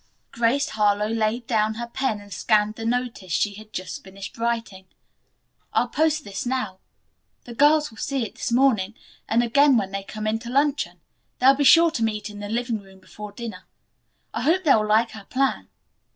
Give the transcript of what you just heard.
Grace Harlowe laid down her pen and scanned the notice she had just finished writing. "I'll post this now. The girls will see it this morning and again when they come in to luncheon. Then they will be sure to meet me in the living room before dinner. I hope they will like our plan."